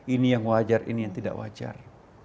ini yang wajar ini yang tidak wajar